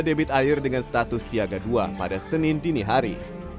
debit air dengan status siaga dua pada senin dini hari